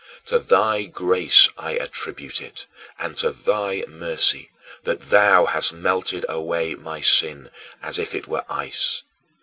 To thy grace I attribute it and to thy mercy, that thou hast melted away my sin as if it were ice.